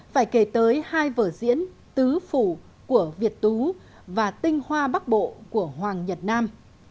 phải kể tới hai vở diễn tứ phủ của việt tú và tinh hoa bắc bộ của hoàng nhật nam